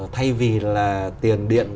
thay vì là tiền điện